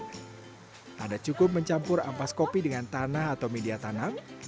tidak cukup mencampur ampas kopi dengan tanah atau media tanam